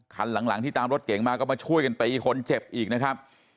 คันหลังที่ตามรถเก๋งมาก็มาช่วยกันตีคนเจ็บอีกนะครับ